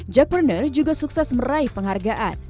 jack brunner juga sukses meraih penghargaan